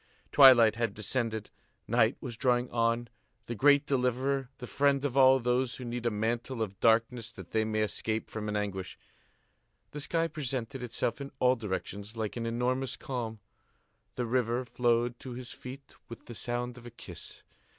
Twilight had descended; night was drawing on, the great deliverer, the friend of all those who need a mantle of darkness that they may escape from an anguish. The sky presented itself in all directions like an enormous calm. The river flowed to his feet with the sound of a kiss.